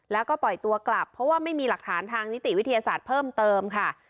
แล้วก็ปล่อยตัวกลับเพราะว่าไม่มีหลักฐานทางนิติวิทยาศาสตร์เพิ่มเติมค่ะ